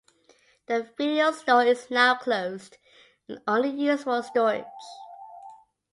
The video store is now closed and only used for storage.